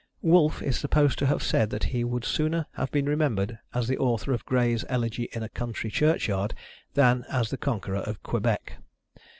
Wolfe is supposed to have said that he would sooner have been remembered as the author of Gray's "Elegy in a Country Churchyard" than as the conqueror of Quebec.